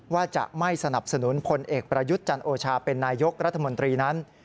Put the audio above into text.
ว่าจะไม่สนับสนุนพลเอกประยุทธ์จันโอชาเป็นนายกรัฐมนตรีนั้น